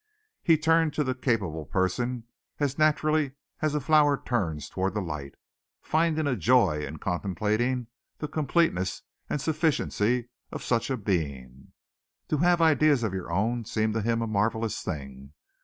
He turned to the capable person as naturally as a flower turns toward the light, finding a joy in contemplating the completeness and sufficiency of such a being. To have ideas of your own seemed to him a marvellous thing.